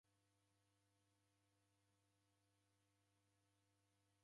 Dashindana, nikamsima.